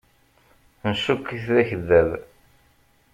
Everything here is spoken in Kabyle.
Ncukk-it d akeddab.